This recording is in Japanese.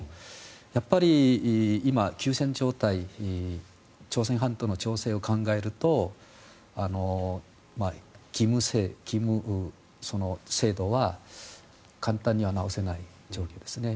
やっぱり今、休戦状態の朝鮮半島の情勢を考えると義務制度は簡単には直せない状況ですね。